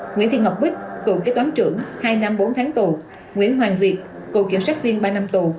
nguyễn thị ngọc bích cựu kế toán trưởng hai năm bốn tháng tù nguyễn hoàng việt cựu kiểm sát viên ba năm tù